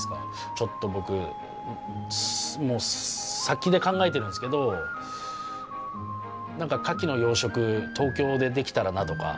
ちょっと僕先で考えてるんですけど牡蠣の養殖東京でできたらなとか。